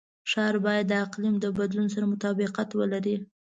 ښار باید د اقلیم د بدلون سره مطابقت ولري.